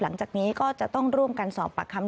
หลังจากนี้ก็จะต้องร่วมกันสอบปากคำ